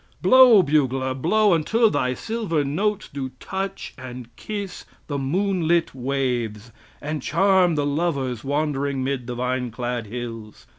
Blow, bugler, blow, until thy silver notes do touch and kiss the moonlit waves, and charm the lovers wandering mid the vine clad hills!